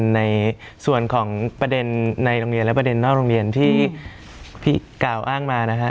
ในส่วนของประเด็นในโรงเรียนและประเด็นนอกโรงเรียนที่กล่าวอ้างมานะฮะ